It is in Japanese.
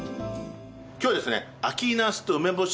今日はですね